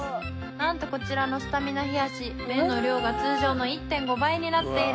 「なんとこちらのスタミナ冷やし麺の量が通常の１．５倍になっているんです」